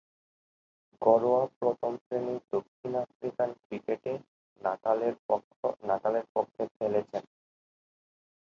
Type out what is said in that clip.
ঘরোয়া প্রথম-শ্রেণীর দক্ষিণ আফ্রিকান ক্রিকেটে নাটালের পক্ষে খেলেছেন।